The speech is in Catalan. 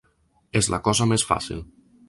És la cosa més fàcil.